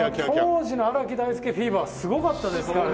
当時の荒木大輔フィーバーはすごかったですからね。